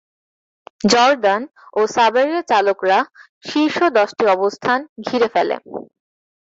Jordan ও সাবেরের চালকরা শীর্ষ দশটি অবস্থান ঘিরে ফেলে।